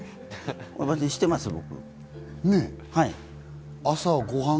してます、僕。